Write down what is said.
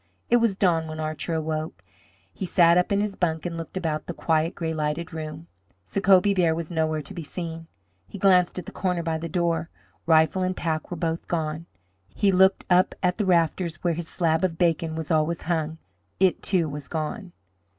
It was dawn when Archer awoke. He sat up in his bunk and looked about the quiet, gray lighted room. Sacobie Bear was nowhere to be seen. He glanced at the corner by the door. Rifle and pack were both gone. He looked up at the rafter where his slab of bacon was always hung. It, too, was gone.